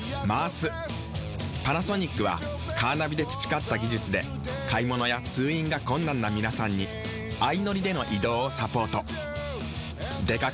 パナソニックはカーナビで培った技術で買物や通院が困難な皆さんに相乗りでの移動をサポート。